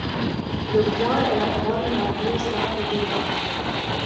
Le coin est la forme la plus simple de came.